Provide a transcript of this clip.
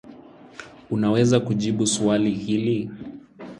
Unaweza kujibu swali hili?